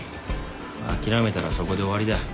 諦めたらそこで終わりだ。